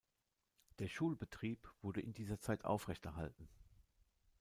Der Schulbetrieb wurde in dieser Zeit aufrechterhalten.